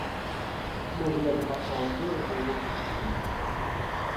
Благодарю посла Алжира за его выступление.